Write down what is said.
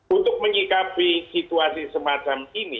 untuk menyikapi situasi semacam ini